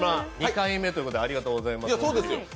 ２回目ということでありがとうございます。